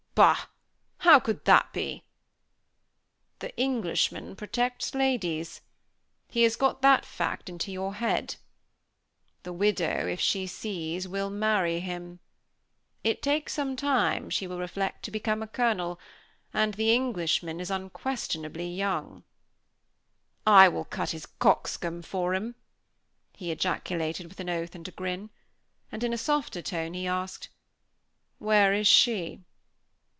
"Bah! How could that be?" "The Englishman protects ladies. He has got that fact into your head. The widow, if she sees, will marry him. It takes some time, she will reflect, to become a colonel, and the Englishman is unquestionably young." "I will cut his cock's comb for him," he ejaculated with an oath and a grin; and in a softer tone he asked, "Where is she?"